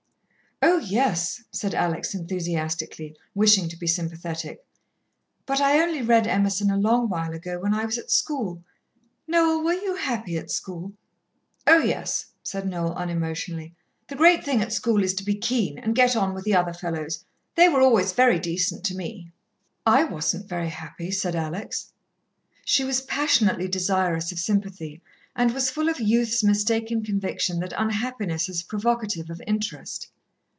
"Oh, yes," said Alex enthusiastically, wishing to be sympathetic. "But I only read Emerson a long while ago, when I was at school. Noel, were you happy at school?" "Oh, yes," said Noel unemotionally. "The great thing at school is to be keen, and get on with the other fellows. They were always very decent to me." "I wasn't very happy," said Alex. She was passionately desirous of sympathy, and was full of youth's mistaken conviction, that unhappiness is provocative of interest.